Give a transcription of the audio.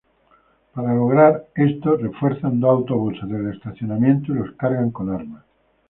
Para lograr esto refuerzan dos autobuses del estacionamiento y los cargan con armas.